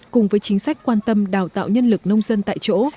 cùng với chính sách quan tâm đào tạo nhân lực nông dân tại chỗ